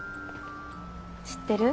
知ってる？